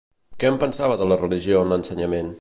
Què en pensava de la religió en l'ensenyament?